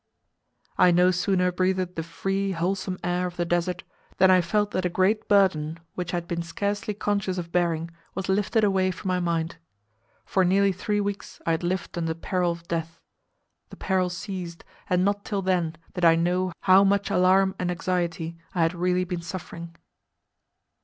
I no sooner breathed the free, wholesome air of the Desert than I felt that a great burden which I had been scarcely conscious of bearing was lifted away from my mind. For nearly three weeks I had lived under peril of death; the peril ceased, and not till then did I know how much alarm and anxiety I had really been suffering.